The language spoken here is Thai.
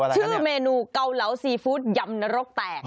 ชื่อเมนูเกาเหลาซีฟู้ดยำนรกแตก